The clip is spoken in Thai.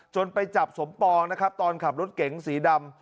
ไปจับสมปองนะครับตอนขับรถเก๋งสีดำ